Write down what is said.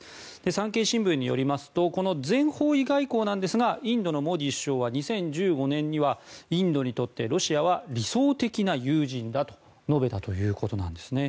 産経新聞によりますとこの全方位外交なんですがインドのモディ首相は２０１５年にはインドにとってロシアは理想的な友人だと述べたということです。